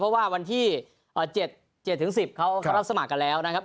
เพราะว่าวันที่๗๑๐เขารับสมัครกันแล้วนะครับ